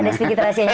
ada sedikit rahasianya